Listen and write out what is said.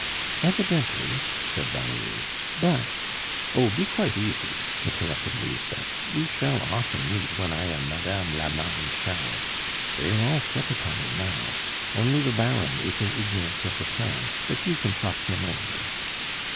"Evidently," said Valerie; "but " "Oh! be quite easy," interrupted Lisbeth; "we shall often meet when I am Madame la Marechale. They are all set upon it now. Only the Baron is in ignorance of the plan, but you can talk him over."